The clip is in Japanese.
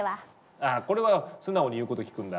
あこれは素直に言うこと聞くんだ。